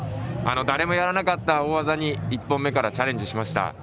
誰もやらなかった大技に１本目からチャレンジしました。